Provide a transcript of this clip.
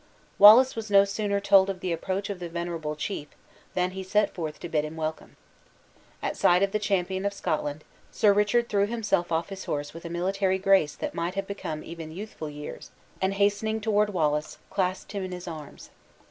Wallace was no sooner told of the approach of the venerable chief, than he set forth to bid him welcome. At sight of the champion of Scotland, Sir Richard threw himself off his horse with a military grace that might have become even youthful years; and hastening toward Wallace, clasped him in his arms.